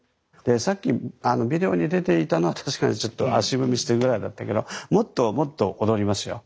さっきもあのビデオに出ていたのは確かにちょっと足踏みしてるぐらいだったけどもっともっと踊りますよ。